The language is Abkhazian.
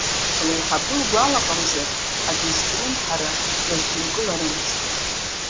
Леиҳабы лгәалаҟамзар аӡә изҿлымҳара лызгәынкыларымызт.